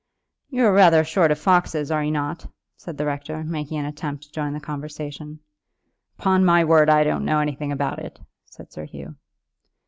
"You're rather short of foxes, are you not?" said the rector, making an attempt to join the conversation. "Upon my word I don't know anything about it," said Sir Hugh.